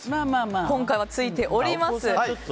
今回はついております。